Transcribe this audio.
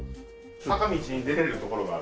坂道に出られる所がある。